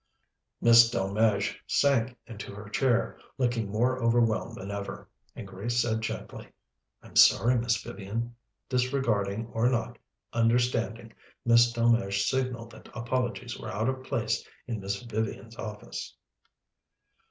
Miss Delmege sank into her chair, looking more overwhelmed than ever, and Grace said gently, "I'm sorry, Miss Vivian," disregarding or not understanding Miss Delmege's signal that apologies were out of place in Miss Vivian's office.